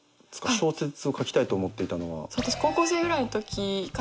小説を書きたいと思っていたのは。